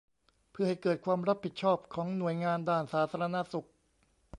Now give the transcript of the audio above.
เพื่อให้เกิดความรับผิดชอบของหน่วยงานด้านสาธารณสุข